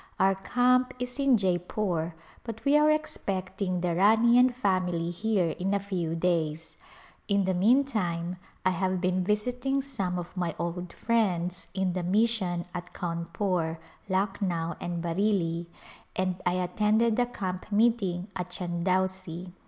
Our camp is in Jeypore but we are expecting the Rani and family here in a ^qw days ; in the meantime I have been visiting some of my old friends in the mission at Cawnpore, Lucknow and Bareilly, and I at tended the camp meeting at Chandausi.